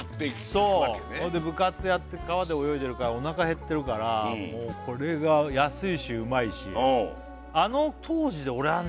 そうそれで部活やって川で泳いでるからお腹減ってるからもうこれが安いしうまいしあの当時で俺はね